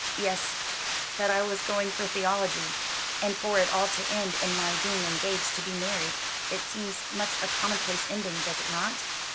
"Yes; that I was going for theology. And for it all to end in my being engaged to be married! It seems such a commonplace ending, does it not?"